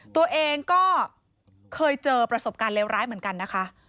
ตัวเองก็เคยเจอประสบการณ์เลวร้ายเหมือนกันนะคะ